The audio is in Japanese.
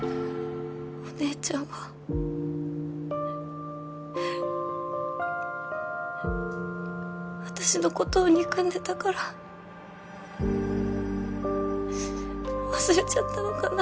お姉ちゃんは私のことを憎んでたから忘れちゃったのかな。